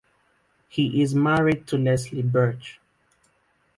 He is married to Leslie Berch.